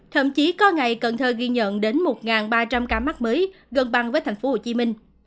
thậm chí có ngày cần thơ ghi nhận đến một ba trăm linh ca mắc mới gần bằng với thành phố hồ chí minh